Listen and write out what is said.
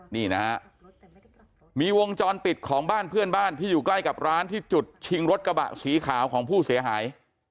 นี่นะฮะมีวงจรปิดของบ้านเพื่อนบ้านที่อยู่ใกล้กับร้านที่จุดชิงรถกระบะสีขาวของผู้เสียหาย